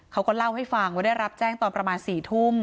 เขาก็เล่าให้ฟังว่าได้รับแจ้งตอนประมาณ๔ทุ่ม